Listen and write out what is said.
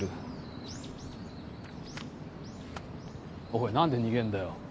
おい何で逃げんだよ？